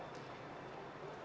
aku juga beneran